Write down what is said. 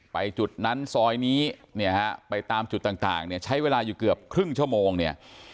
จุดนั้นซอยนี้เนี่ยฮะไปตามจุดต่างเนี่ยใช้เวลาอยู่เกือบครึ่งชั่วโมงเนี่ย